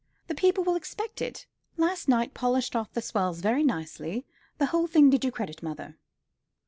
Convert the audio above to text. The people will expect it. Last night polished off the swells very nicely. The whole thing did you credit, mother."